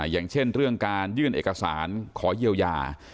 อย่างเช่นเรื่องการยื่นเอกสารขอเยียวยา